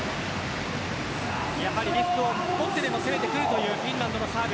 やはりリスクを取ってでも攻めてくるというフィンランドのサーブ。